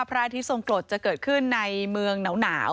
อาทิตยทรงกรดจะเกิดขึ้นในเมืองหนาว